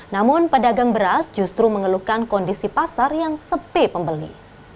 namun pedagang beras justru mengeluhkan kondisi pasar yang sepi pembeli